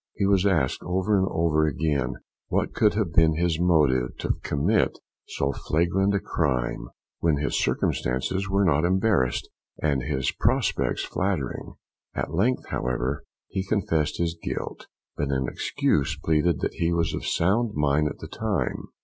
He has asked over and over again what could have been his motive to commit so flagrant a crime, when his circumstances were not embarrassed, and his prospects flattering? At length, however, he confessed his guilt, but in excuse pleaded that he was of unsound mind at the time.